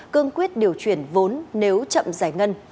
cương quyết điều chuyển vốn nếu chậm giải ngân